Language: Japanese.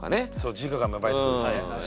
自我が芽生えてくるしね。